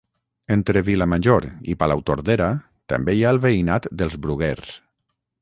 Entre Vilamajor i Palautordera també hi ha el veïnat dels Bruguers